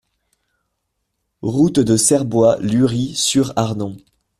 Route de Cerbois, Lury-sur-Arnon